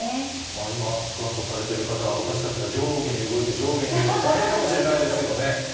今、スクワットされてる方は、私たちが上下に動いて上下に動いて大変かもしれないですけどね。